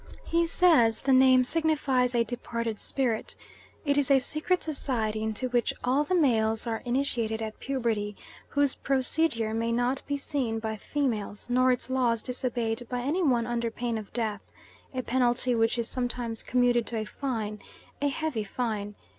He says the name signifies a departed spirit. "It is a secret society into which all the males are initiated at puberty, whose procedure may not be seen by females, nor its laws disobeyed by any one under pain of death, a penalty which is sometimes commuted to a fine, a heavy fine.